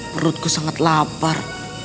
perutku sangat lapar